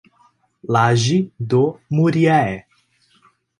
Laje do Muriaé